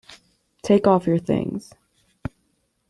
Take off your things.